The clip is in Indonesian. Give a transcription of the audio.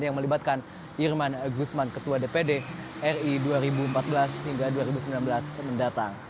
yang melibatkan irman gusman ketua dpd ri dua ribu empat belas hingga dua ribu sembilan belas mendatang